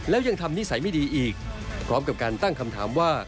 แล้วยังทำนิสัยไม่ดีอีกพร้อมกับการตั้งคำถามว่า